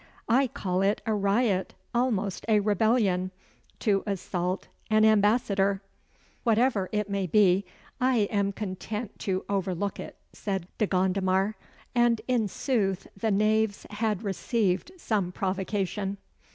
I call it a riot almost a rebellion to assault an ambassador." "Whatever it may be, I am content to overlook it," said De Gondomar; "and, in sooth, the knaves had received some provocation."